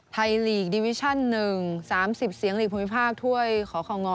ไทยลีกดิวิชั่น๑๓๐เสียงหลีกภูมิภาคถ้วยของ